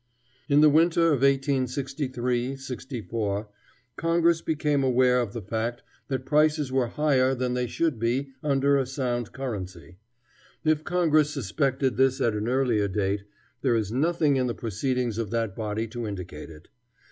In the winter of 1863 64 Congress became aware of the fact that prices were higher than they should be under a sound currency. If Congress suspected this at any earlier date, there is nothing in the proceedings of that body to indicate it.